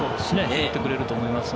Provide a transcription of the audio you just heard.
打ってくれると思います。